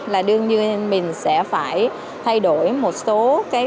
là đương nhiên mình sẽ phải thay đổi một số thông tin